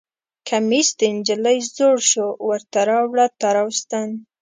کمیس د نجلۍ زوړ شو ورته راوړه تار او ستن